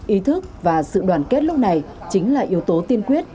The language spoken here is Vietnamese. ý thức và sự đoàn kết lúc này chính là yếu tố tiên quyết